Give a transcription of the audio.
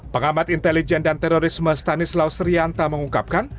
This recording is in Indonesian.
pengamat intelijen dan terorisme stanislaus rianta mengungkapkan